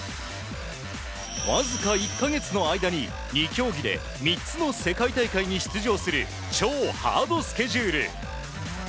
わずか１か月の間に、２競技で３つの世界大会に出場する超ハードスケジュール。